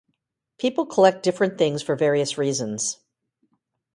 People collect different things for various reasons.